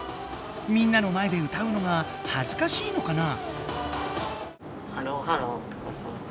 みんなの前で歌うのがはずかしいのかな？